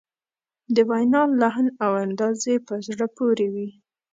د وینا لحن او انداز یې په زړه پورې وي.